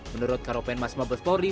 menurut karopen mas mabes polri